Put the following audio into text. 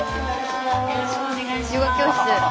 よろしくお願いします。